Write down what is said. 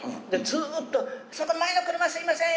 ずっと「そこ前の車すいません。